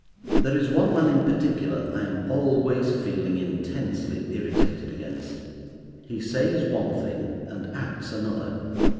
There is one man in particular I am always feeling intensely irritated against. He says one thing, and acts another.